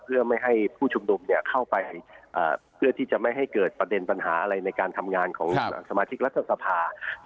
เพื่อไม่ให้ผู้ชุมนุมเข้าไปเพื่อที่จะไม่ให้เกิดประเด็นปัญหาอะไรในการทำงานของสมาชิกรัฐสภา